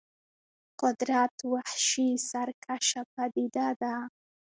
قدرت وحشي سرکشه پدیده ده.